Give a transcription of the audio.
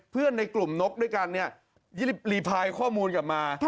เพื่อนในกลุ่มนกด้วยกันรีบพายข้อมูลกลับมา